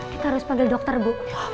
kita harus panggil dokter bu